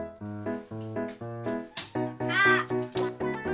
あっ！